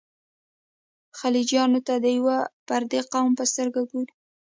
خلجیانو ته د یوه پردي قوم په سترګه ګوري.